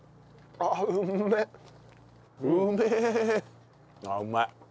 ああうまい。